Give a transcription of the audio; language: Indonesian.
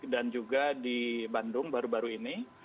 dan juga di bandung baru baru ini